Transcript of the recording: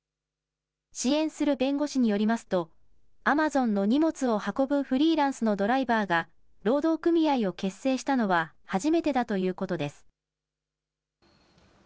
支援する弁護士によりますと、アマゾンの荷物を運ぶフリーランスのドライバーが労働組合を結成したのは、初めてだということです。